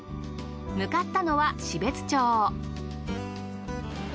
向かったのは標津町。